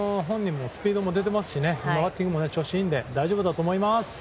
本人もスピードも出ていますしバッティングも調子がいいので大丈夫だと思います。